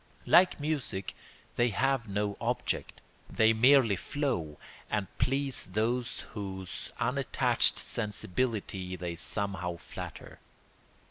Like music, they have no object. They merely flow, and please those whose unattached sensibility they somehow flatter.